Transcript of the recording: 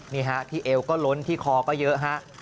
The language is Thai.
นี่ฮะที่เอวก็ล้นที่คอก็เยอะฮะ